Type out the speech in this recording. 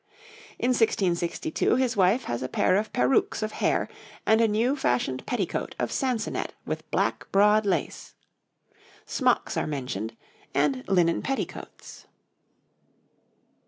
In 1662 his wife has a pair of peruques of hair and a new fashioned petticoat of sancenett with black, broad lace. Smocks are mentioned, and linen petticoats.